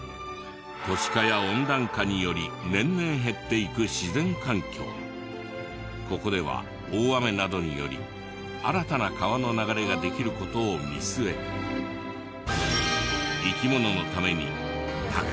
都市化や温暖化により年々ここでは大雨などにより新たな川の流れができる事を見据え生き物のためにたくさんの石を。